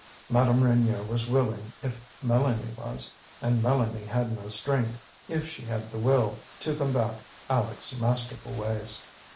Madame Reynier was willing if Mélanie was; and Mélanie had no strength, if she had the will, to combat Aleck's masterful ways.